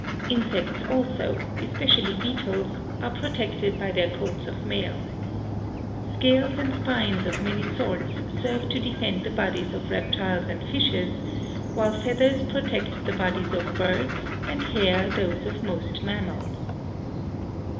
Insects also, especially beetles, are protected by their coats of mail. Scales and spines of many sorts serve to defend the bodies of reptiles and fishes, while feathers protect the bodies of birds and hair those of most mammals."